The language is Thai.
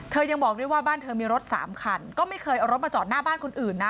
ยังบอกด้วยว่าบ้านเธอมีรถสามคันก็ไม่เคยเอารถมาจอดหน้าบ้านคนอื่นนะ